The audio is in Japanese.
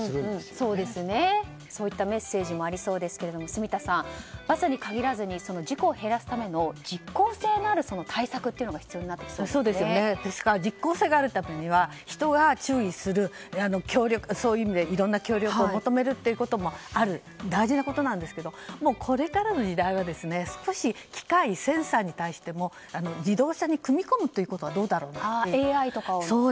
そういったメッセージもありそうですが住田さん、バスに限らずに事故を減らすための実効性のある対策が実効性があるためには人が注意する、いろんな協力を求めるってこともある大事なことなんですけどこれからの時代は機械、センサーに対しても自動車に組み込むというのはどうだろうかと。